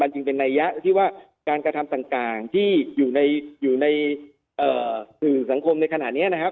จริงเป็นนัยยะที่ว่าการกระทำต่างที่อยู่ในสื่อสังคมในขณะนี้นะครับ